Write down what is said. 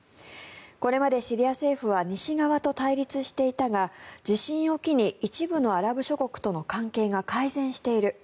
これまでシリア政府は西側と対立していたが地震を機に一部のアラブ諸国との関係が改善している。